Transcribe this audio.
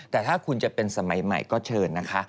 แต่ถ้าคุณจะเป็นสมัยใหม่ก็เชิญนะคะ